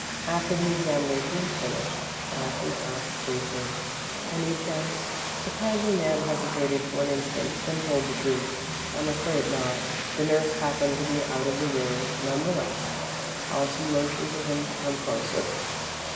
After the examination was finished, Allison asked, briefly: "Any chance?" The kindly man hesitated for an instant, then told the truth. "I'm afraid not." The nurse happened to be out of the room, none the less, Allison motioned to him to come closer.